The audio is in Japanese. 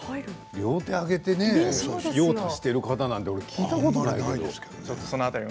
両手を上げて用を足している方なんて聞いたことない。